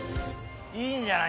いいんじゃない？